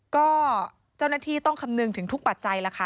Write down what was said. ก็เจ้าหน้าที่ต้องคำนึงถึงทุกปัจจัยแล้วค่ะ